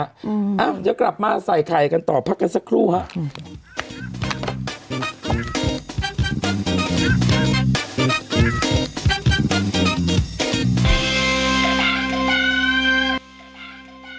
อืมเอ้าจะกลับมาใส่ไข่กันต่อพักกันสักครู่ฮะอืม